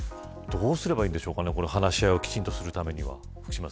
どうすればいいんでしょうかね話し合いをきちんとするためには。